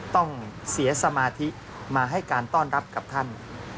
ต้องเสียสมาธิมาให้การต้อนรับกับท่าน